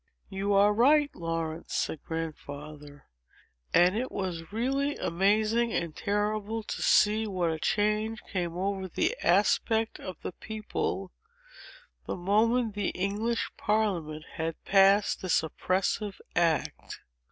"You are right, Laurence," said Grandfather; "and it was really amazing and terrible to see what a change came over the aspect of the people, the moment the English Parliament had passed this oppressive act.